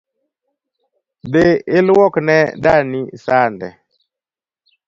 Dhi ilwuok ne dani sande